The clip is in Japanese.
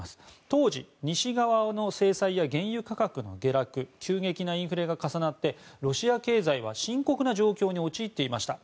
当時、西側の制裁や原油価格の下落急激なインフレが重なってロシア経済は深刻な状況に陥っていました。